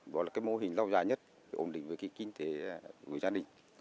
đó là cái mô hình lâu dài nhất ổn định với kinh tế của gia đình